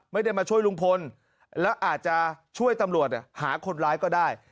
ไม่ได้มาช่วยลุงพลแล้วอาจจะช่วยตำรวจหาคนร้ายก็ได้